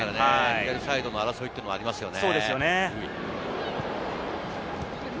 左サイドの争いというのがありますよね。